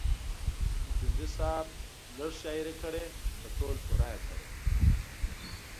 ځونډي صاحب لیږه شاعري کړې خو په تول پوره یې کړې.